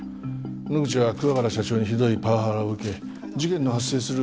野口は桑原社長にひどいパワハラを受け事件の発生する